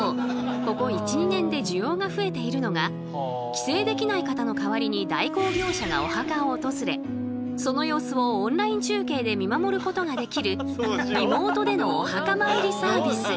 ここ１２年で需要が増えているのが帰省できない方の代わりに代行業者がお墓を訪れその様子をオンライン中継で見守ることができるリモートでのお墓参りサービス。